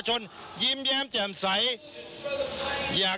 ชูเว็ดตีแสดหน้า